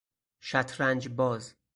شطرنج باز